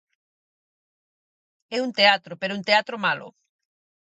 É un teatro, pero un teatro malo.